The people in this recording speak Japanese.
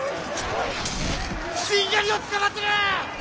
しんがりをつかまつる！